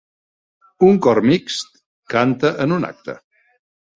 Un cor mixt canta en un acte.